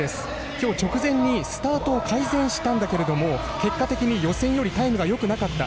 きょう直前にスタートを改善したんだけども結果的に予選よりタイムがよくなかった。